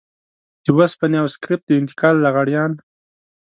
د وسپنې او سکريپ د انتقال لغړيان.